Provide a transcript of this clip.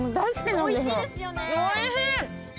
おいしい。